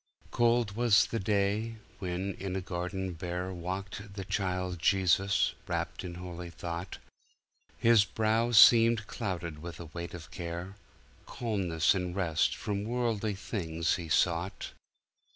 Cold was the day, when in a garden bare, Walked the Child Jesus, wrapt in holy thought; His brow seemed clouded with a weight of care; Calmness and rest from worldly things he sought.